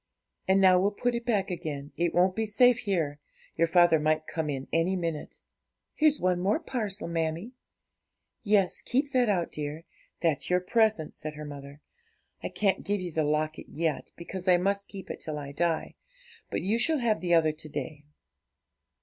And now we'll put it back again, it won't be safe here; your father might come in any minute.' 'Here's one more parcel, mammie.' 'Yes, keep that out, dear; that's your present,' said her mother. 'I can't give you the locket yet, because I must keep it till I die; but you shall have the other to day.'